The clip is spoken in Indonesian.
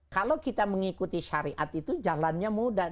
kalau kita mengikuti syariat itu jalannya mudah